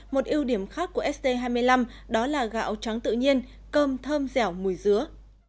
một ưu điểm khác của st hai mươi năm đó là gạo trắng tự nhiên cơm thơm dẻo mùi dứa